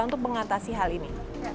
untuk mengatasi hal ini